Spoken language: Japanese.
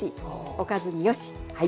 おかずによし！